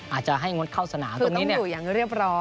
อาจจะให้งดเข้าสนามตรงนี้อยู่อย่างเรียบร้อย